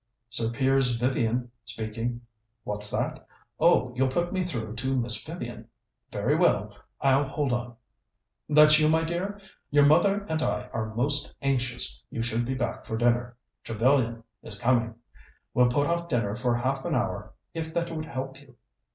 "Sir Piers Vivian speaking. What's that? Oh, you'll put me through to Miss Vivian. Very well; I'll hold on. That you, my dear? Your mother and I are most anxious you should be back for dinner Trevellyan is coming.... We'll put off dinner for half an hour if that would help you....